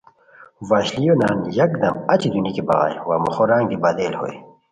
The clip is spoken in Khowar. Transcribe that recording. وشلیو نان یکدم اچی دونیکی بغائے وا موخو رنگ دی بدل ہوئے